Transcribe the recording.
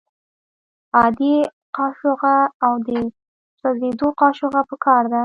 عادي قاشوغه او د سوځیدو قاشوغه پکار ده.